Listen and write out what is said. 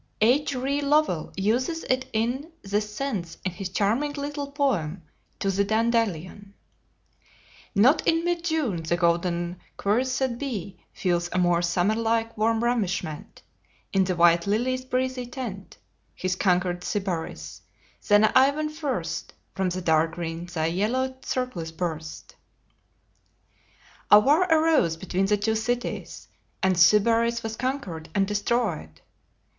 J. R. Lowell uses it in this sense in his charming little poem "To the Dandelion": "Not in mid June the golden cuirassed bee Feels a more summer like, warm ravishment In the white lily's breezy tent (His conquered Sybaris) than I when first From the dark green thy yellow circles burst." A war arose between the two cities, and Sybaris was conquered and destroyed.